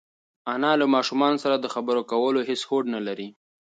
انا له ماشوم سره د خبرو کولو هېڅ هوډ نهلري.